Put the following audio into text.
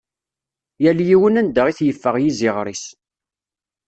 Yal yiwen anda it-yeffeɣ yiziɣer-is.